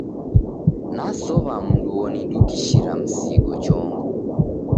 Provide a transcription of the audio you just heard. Nasow'a mndu onidukishira msigo chongo.